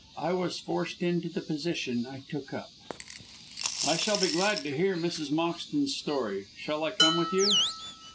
I was forced into the position I took up." "I shall be glad to hear Mrs. Moxton's story. Shall I come with you?"